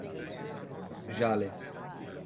Jales